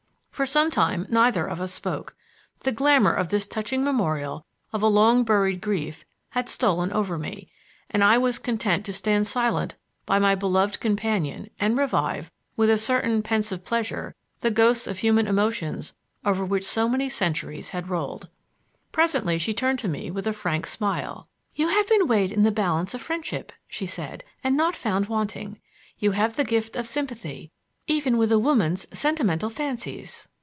For some time neither of us spoke. The glamour of this touching memorial of a long buried grief had stolen over me, and I was content to stand silent by my beloved companion and revive, with a certain pensive pleasure, the ghosts of human emotions over which so many centuries had rolled. Presently she turned to me with a frank smile. "You have been weighed in the balance of friendship," she said, "and not found wanting. You have the gift of sympathy, even with a woman's sentimental fancies."